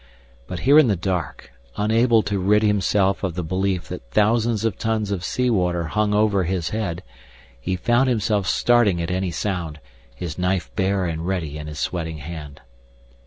But here in the dark, unable to rid himself of the belief that thousands of tons of sea water hung over his head, he found himself starting at any sound, his knife bare and ready in his sweating hand.